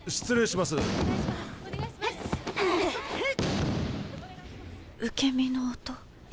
心の声受け身の音。